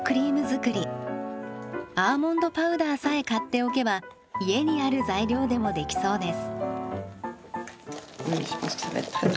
アーモンドパウダーさえ買っておけば家にある材料でもできそうです。